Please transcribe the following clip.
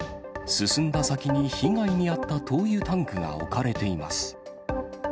進んだ先に被害に遭った灯油タンクが置かれています。